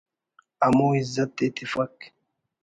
ہمو عزت ءِ تفک